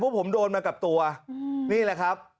เพราะผมโดนมากับตัวนี่แหละครับ